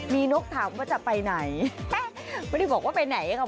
มีนกถามว่าจะไปไหนไม่ได้บอกว่าไปไหนครับ